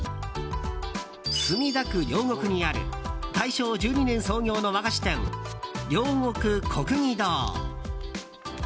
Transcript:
墨田区両国にある大正１２年創業の和菓子店両国國技堂。